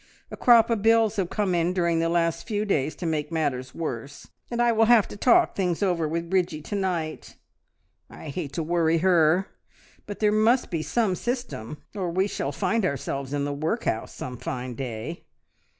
A crop of bills have come in during the last few days to make matters worse, and I will have to talk things over with Bridgie to night. I hate to worry her, but there must be some system, or we shall find ourselves in the workhouse some fine day.